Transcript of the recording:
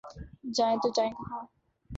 جائیں تو جائیں کہاں؟